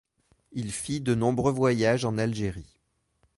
Il fit de nombreux voyages en Algérie.